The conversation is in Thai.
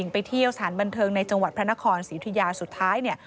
ไปเที่ยวสถานบันเทิงในจังหวัดพระนครศรีอุทิยาสุดท้ายเนี่ย